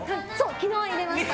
昨日入れました。